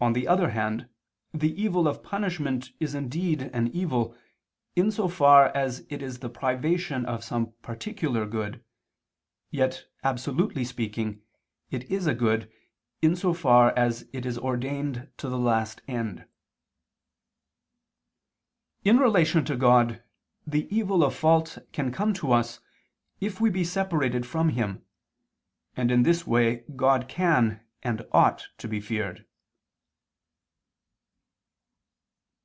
On the other hand the evil of punishment is indeed an evil, in so far as it is the privation of some particular good, yet absolutely speaking, it is a good, in so far as it is ordained to the last end. In relation to God the evil of fault can come to us, if we be separated from Him: and in this way God can and ought to be feared.